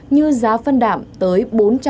như giá phân đạm tới